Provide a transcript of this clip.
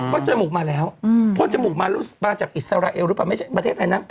จมูกมาแล้วพ่นจมูกมามาจากอิสราเอลหรือเปล่าไม่ใช่ประเทศไทยนะ